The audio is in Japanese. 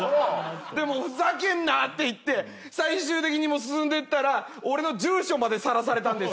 でもうふざけんな！って言って最終的に進んでいったら俺の住所までさらされたんです。